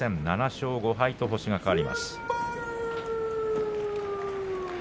７勝５敗と星が変わります。